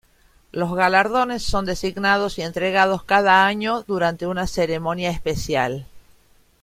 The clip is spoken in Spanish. Los galardones son designados y entregados cada año durante una ceremonia especial.